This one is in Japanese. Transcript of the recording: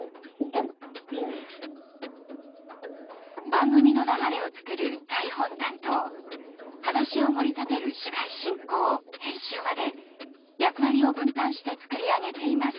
番組の流れを作る台本担当話をもり立てる司会進行編集まで役割を分担して作り上げています。